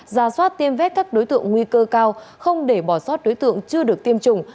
ra soát tiêm vét các đối tượng nguy cơ cao không để bỏ sót đối tượng chưa được tiêm chủng